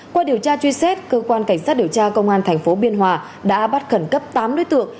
qua điều tra truy xét cơ quan cảnh sát điều tra công an tp biên hòa đã bắt khẩn cấp tám đối tượng